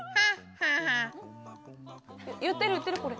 言ってる言ってるこれ。